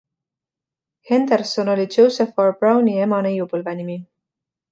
Henderson oli Joseph R. Browni ema neiupõlvenimi.